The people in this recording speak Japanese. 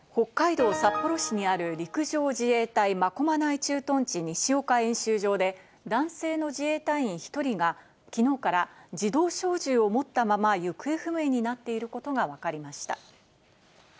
北海道札幌市にある陸上自衛隊真駒内駐屯地、西岡演習場で、男性の自衛隊員１人がきのうから自動小銃を持ったまま行方不明になっていることがわかりました。